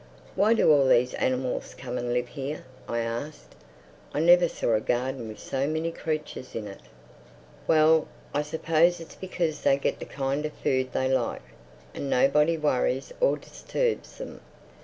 "Why do all these animals come and live here?" I asked. "I never saw a garden with so many creatures in it." "Well, I suppose it's because they get the kind of food they like; and nobody worries or disturbs them.